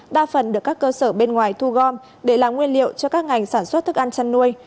đa phần được các cơ sở bên ngoài thu gom để làm nguyên liệu cho các ngành sản xuất thức ăn chăn nuôi